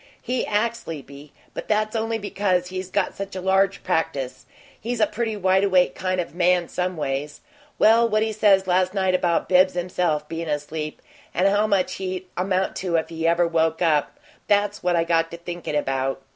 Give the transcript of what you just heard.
He acts sleepy, but that's only because he's got such a large practice he's a pretty wide awake kind of a man some ways. Well, what he says last night about Bibbs himself bein' asleep, and how much he'd amount to if he ever woke up that's what I got to thinkin' about.